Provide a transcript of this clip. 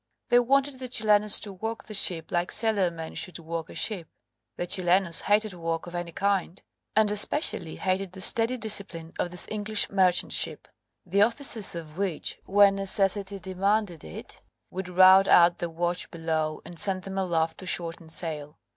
They wanted the Chilenos to work the ship like sailormen should work a ship the Chilenos hated work of any kind, and especially hated the steady discipline of this English merchant ship the officers of which, when necessity demanded it, would rout out the watch below and send them aloft to shorten sail.